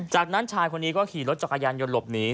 จากนั้นชายคนนี้ก็ขี่รถจักรยานยนต์หลบหนี